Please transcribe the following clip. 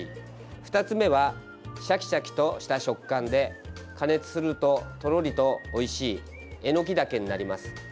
２つ目はシャキシャキとした食感で加熱すると、とろりとおいしいえのきだけになります。